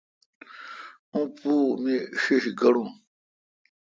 اوں پو می ݭیݭ گڑون۔